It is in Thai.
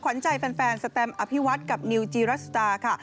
ขวัญใจแฟนแสตมป์อภิวัติกับนิวจีรัสสุดา